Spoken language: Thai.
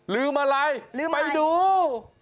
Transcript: ลืมอะไรไปดู